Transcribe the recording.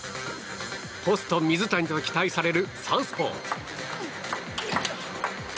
ポスト水谷と期待されるサウスポー。